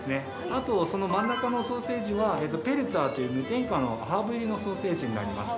あと、その真ん中のソーセージはプェルツァーという無添加のハーブ入りのソーセージになります。